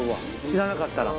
知らなかったら。